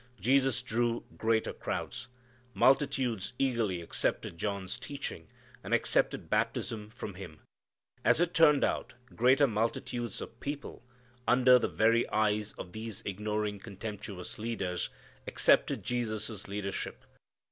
Jesus drew greater crowds. Multitudes eagerly accepted John's teaching and accepted baptism from him. As it turned out, greater multitudes of people, under the very eyes of these ignoring, contemptuous leaders, accepted Jesus' leadership.